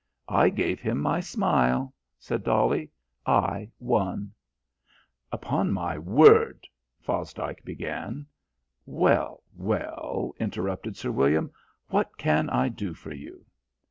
"I gave him my smile," said Dolly. "I won." "Upon my word " Fosdike began. "Well, well," interrupted Sir William, "what can I do for you?"